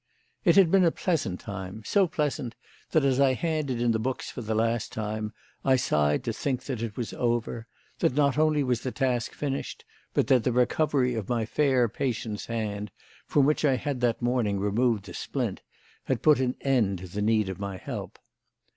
It had been a pleasant time, so pleasant, that as I handed in the books for the last time, I sighed to think that it was over; that not only was the task finished, but that the recovery of my fair patient's hand, from which I had that morning removed the splint, had put an end to the need of my help.